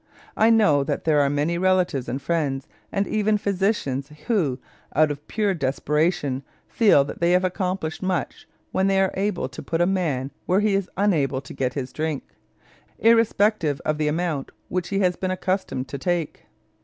I know that there are many relatives and friends and even physicians who, out of pure desperation, feel that they have accomplished much when they are able to put a man where he is unable to get his drink, irrespective of the amount which he has been accustomed to take.